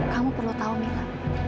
kamu perlu tahu mila